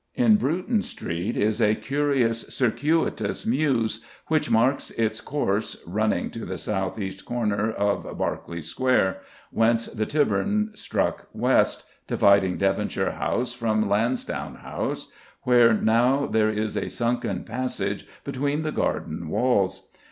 In Bruton Street is a curious circuitous mews, which marks its course, running to the south east corner of Berkeley Square, whence the Tybourne struck west, dividing Devonshire House from Lansdowne House, where now there is a sunken passage between the garden walls.